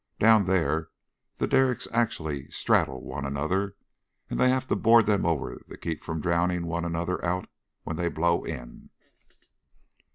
Down there the derricks actually straddle one another, and they have to board them over to keep from drowning one another out when they blow in.